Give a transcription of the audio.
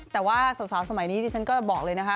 แต่ว่าสาวสมัยนี้ดิฉันก็บอกเลยนะคะ